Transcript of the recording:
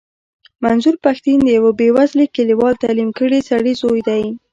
منظور پښتين د يوه بې وزلې کليوال تعليم کړي سړي زوی دی.